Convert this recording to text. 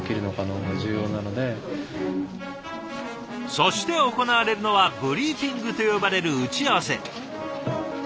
そして行われるのは「ブリーフィング」と呼ばれる打ち合わせ。